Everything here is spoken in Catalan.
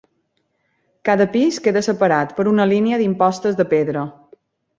Cada pis queda separat per una línia d'impostes de pedra.